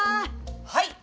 はい！